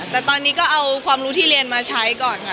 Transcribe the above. แต่ตอนนี้ก็เอาความรู้ที่เรียนมาใช้ก่อนค่ะ